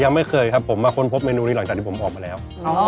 ไม่เคยครับผมมาค้นพบเมนูนี้หลังจากที่ผมออกมาแล้ว